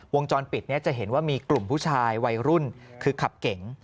วงจรปิดนี้จะเห็นว่ามีกลุ่มผู้ชายวัยรุ่นคือขับเก๋ง